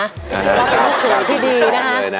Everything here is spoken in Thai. ว่าเป็นลูกเผยที่ดีนะฮะ